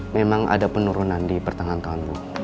memang ada penurunan di pertengahan tahun